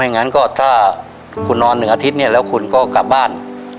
งั้นถ้านอนหนึ่งอาทิตย์แล้วคุณก็จะกลับบ้าน